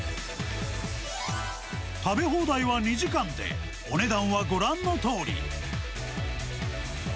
食べ放題は２時間でお値段はご覧のとおり。